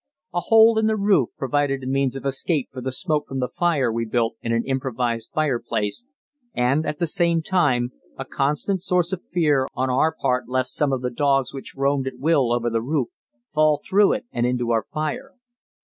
A hole in the roof provided a means of escape for the smoke from the fire we built in an improvised fireplace, and, at the same time, a constant source of fear on our part lest some of the dogs which roamed at will over the roof, fall through it and into our fire.